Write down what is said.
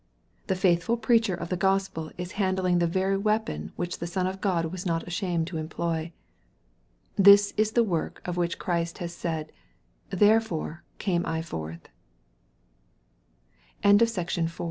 The faithful preacher of the Gospel is handling the very weapon which the Son of God was not ashamed to employ. This is the work of which Christ has said, " Therefore came I forth." MAEK I.